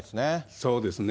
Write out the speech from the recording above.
そうですね。